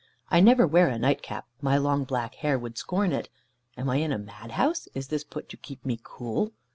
I never wear a night cap; my long black hair would scorn it. Am I in a madhouse, is this put to keep me cool?